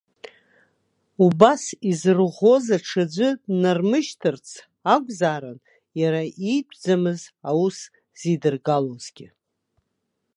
Убас изырӷәӷәоз аҽаӡәы днармышьҭырц акәзаарын, иара иитәӡамыз аус зидыргалозгьы.